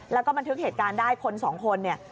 แล้วก็บันทึกเหตุการณ์ได้คนสองคนเนี่ย